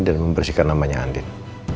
dan membersihkan namanya andin